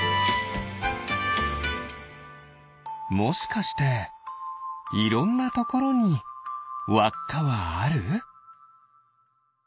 もしかしていろんなところにわっかはある？